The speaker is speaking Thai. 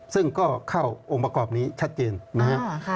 ซึ่งก็เข้าองค์ประกอบนี้ชัดเจนนะครับ